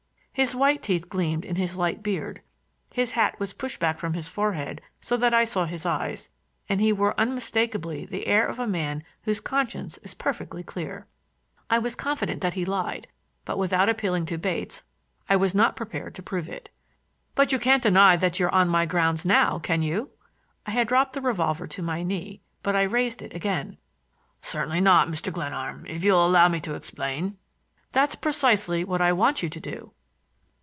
His white teeth gleamed in his light beard; his hat was pushed back from his forehead so that I saw his eyes, and he wore unmistakably the air of a man whose conscience is perfectly clear. I was confident that he lied, but without appealing to Bates I was not prepared to prove it. "But you can't deny that you're on my grounds now, can you?" I had dropped the revolver to my knee, but I raised it again. "Certainly not, Mr. Glenarm. If you'll allow me to explain—" "That's precisely what I want you to do."